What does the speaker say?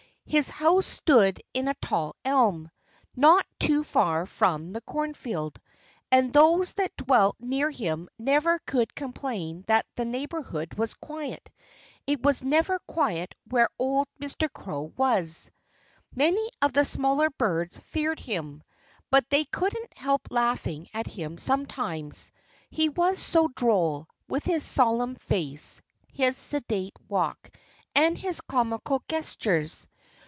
His house stood in a tall elm, not too far from the cornfield. And those that dwelt near him never could complain that the neighborhood was quiet.... It was never quiet where old Mr. Crow was. Many of the smaller birds feared him. But they couldn't help laughing at him sometimes he was so droll, with his solemn face, his sedate walk, and his comical gestures.